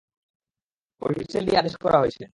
ঐ হুইসেল দিয়ে আদেশ করা হয়েছে।